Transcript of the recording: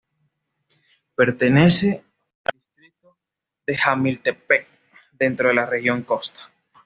Pertenece al distrito de Jamiltepec, dentro de la región costa.